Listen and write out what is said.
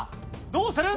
どうする？